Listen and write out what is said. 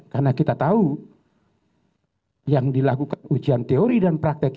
karena kita tahu yang dilakukan ujian teori dan praktik